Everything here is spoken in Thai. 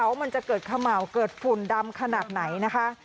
ว่ามันจะเกิดเขม่าวเกิดฝุ่นดำขนาดไหนนะคะ